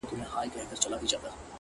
• د هیلیو له کشپ سره دوستي سوه ,